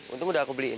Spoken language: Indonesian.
untung udah aku beliin